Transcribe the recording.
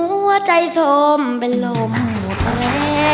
หัวใจสมเป็นลมหมดแผล